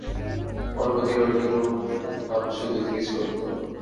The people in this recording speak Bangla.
অন্যদিন ওয়েটিং রুম মানুষে গিজগিজ করত।